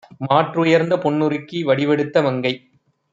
மாற்றுயர்ந்த பொன்னுருக்கி வடிவெடுத்த மங்கை